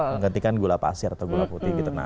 menggantikan gula pasir atau gula putih gitu